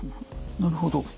なるほど。